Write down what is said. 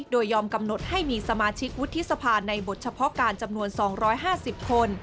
โดยยอมกำหนดให้มีสมาชิกวุฒิสภาในบทเฉพาะการจำนวน๒๕๐คน